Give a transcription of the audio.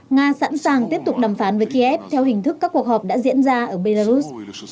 nga sẵn sàng tiếp tục đàm phán với kiev theo hình thức các cuộc họp đã diễn ra ở belarus